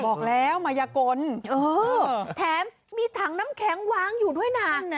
บอกแล้วมายกลแถมมีถังน้ำแข็งวางอยู่ด้วยนะ